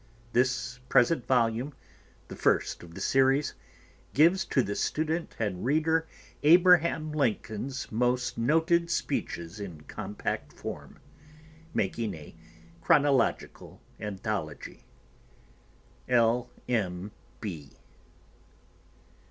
This present volume, the first of the series, gives to the student and reader Abraham Lincoln's most noted speeches in compact form, making a chronological anthology. L. M. B.